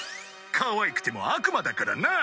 「かわいくても悪魔だからな。